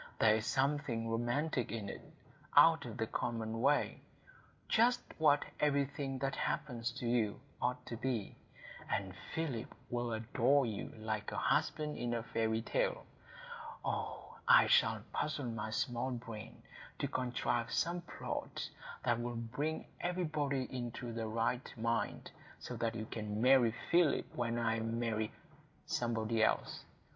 There is something romantic in it,—out of the common way,—just what everything that happens to you ought to be. And Philip will adore you like a husband in a fairy tale. Oh, I shall puzzle my small brain to contrive some plot that will bring everybody into the right mind, so that you may marry Philip when I marry—somebody else.